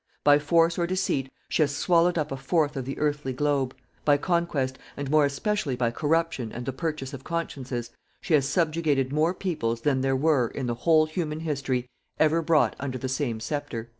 By force or deceit, she has swallowed up a fourth of the earthly globe; by conquest, and more especially by corruption and the purchase of consciences, she has subjugated more peoples than there were, in the whole human history, ever brought under the same sceptre.